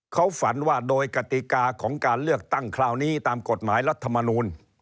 เขาฝันว่าโดยกติกาของการเลือกตั้งคราวนี้ตามกฎหมายรัฐมนูล